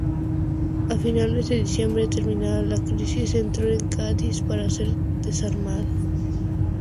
A finales de diciembre, terminada la crisis, entró en Cádiz para ser desarmado.